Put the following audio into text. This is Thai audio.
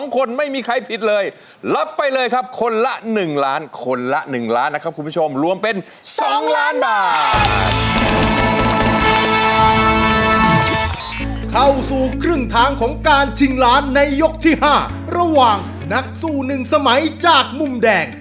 เข้าสู่ครึ่งทางของการชิงล้านในยกที่๕ระหว่างนักสู้๑สมัยจากมุมแดง